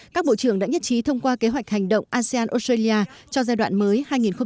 các bộ trưởng đã nhất trí thông qua kế hoạch hành động asean australia cho giai đoạn mới hai nghìn hai mươi hai nghìn hai mươi năm